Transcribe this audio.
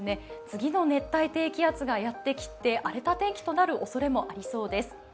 次の熱帯低気圧がやってきて荒れた天気となるおそれもありそうです。